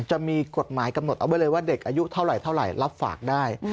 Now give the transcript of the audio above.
จะมีกฎหมายกำหนดเอาไว้เลยว่าเด็กอายุเท่าไหร่รับฝากได้